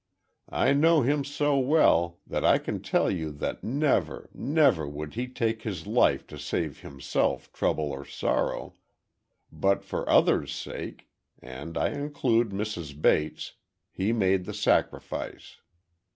I know him so well, that I can tell you that never, never would he take his life to save himself trouble or sorrow, but for others' sake—and I include Mrs. Bates—he made the sacrifice.